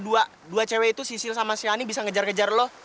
gimana ya caranya sampai dua dua cewek itu sisil sama siani bisa ngejar kejar lo